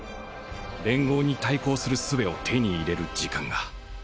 連合に対抗する術を手に入れる時間が。